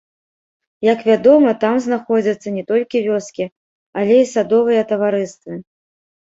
Як вядома, там знаходзяцца не толькі вёскі, але і садовыя таварыствы.